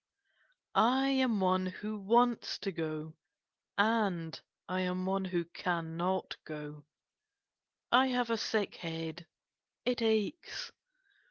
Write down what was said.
I am one who wants to go, and I am one who cannot go. I have a sick head. It aches.